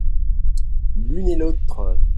l'une et l'autre.